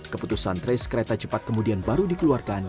keputusan trace kereta cepat kemudian baru dikeluarkan